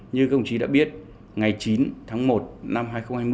như công chí đã biết ngày chín tháng một năm hai nghìn hai mươi